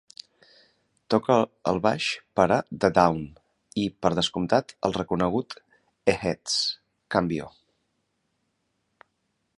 Toca el baix per a The Dawn i, per descomptat, el reconegut Eheads, Cambio.